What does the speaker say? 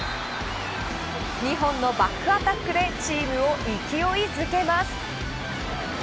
日本のバックアタックでチームを勢いづけます。